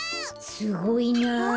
すごいなあ。